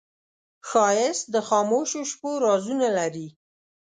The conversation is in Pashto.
ښایست د خاموشو شپو رازونه لري